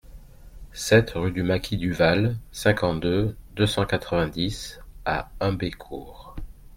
sept rue du Maquis du Val, cinquante-deux, deux cent quatre-vingt-dix à Humbécourt